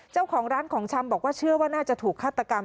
เจ้าของร้านของชำบอกว่าเชื่อว่าน่าจะถูกฆาตกรรม